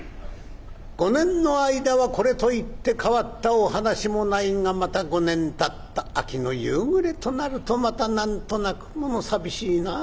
「５年の間はこれといって変わったお話もないがまた５年経った秋の夕暮れとなるとまた何となくもの寂しいなぁ」。